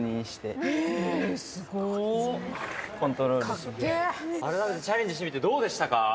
・チャレンジしてみてどうでしたか？